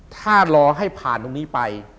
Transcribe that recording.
ถ้ารอให้ผ่านตรงนี้ไป